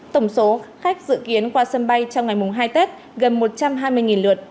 tổng số khách dự kiến qua sân bay trong ngày mùng hai tết gần một trăm hai mươi lượt